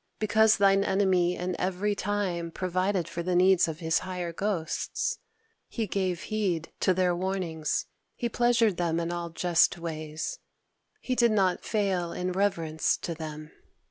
Because thine enemy in every time provided for the needs of his higher ghosts: he gave heed to their warnings; he pleasured them in all just ways; he did not fail in reverence to them.